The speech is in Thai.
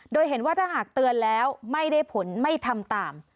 โดยเห็นว่าถ้าหากเตือนแล้วไม่ได้ผลไม่ทำตาม